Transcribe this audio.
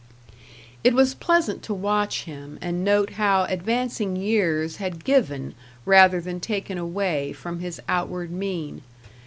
It was pleasant to watch him, and note how advancing years had given rather than taken away from his outward mien.